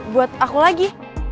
buat aku lagi